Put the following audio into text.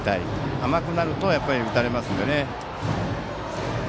甘くなると打たれますのでね。